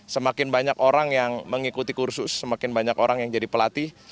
semakin banyak orang yang mengikuti kursus semakin banyak orang yang jadi pelatih